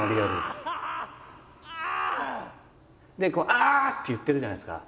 「ああ！」って言ってるじゃないですか。